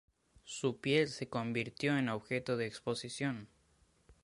Su piel se convirtió en objeto de exposición.